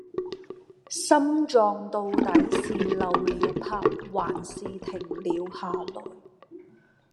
心臟到底是漏了拍還是停了下來